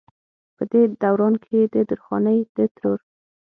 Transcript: پۀ دې دوران کښې د درخانۍ د ترور